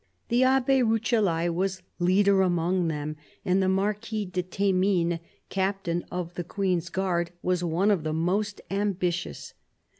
The Abb6 Rucellai was leader among them, and the Marquis de Themines, captain of the Queen's guard, was one of the most ambitious.